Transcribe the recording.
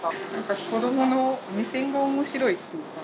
子どもの目線が面白いっていうか。